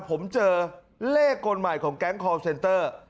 ผมเจอเลขคนใหม่ของแก๊งคอลเซนเตอร์